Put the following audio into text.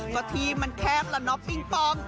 กระทีมันแข็งแล้วนะปิงปอง